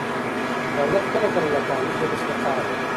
دولت کله کله له قانوني جبر څخه کار اخلي.